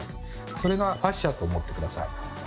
それがファシアと思って下さい。